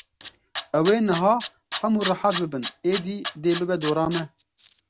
Ew ê niha hemû rihet bibin, êdî dê bibe dora me.